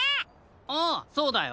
ああそうだよ！